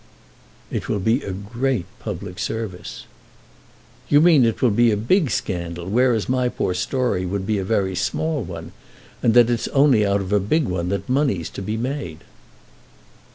"It will be a great public service." "You mean it will be a big scandal, whereas my poor story would be a very small one, and that it's only out of a big one that money's to be made."